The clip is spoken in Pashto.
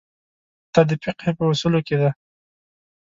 دا د فقهې په اصولو کې ده.